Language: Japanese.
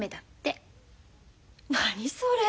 何それ！？